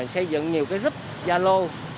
xây dựng nhiều cái group gia lô